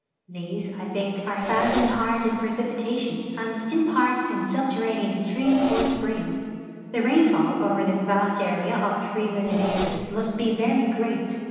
These, I think, are found in part in precipi tation, and, in part, in subterranean streams or springs. The rainfall over this vast area of three million acres must be very great.